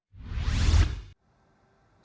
iya masih ada di sana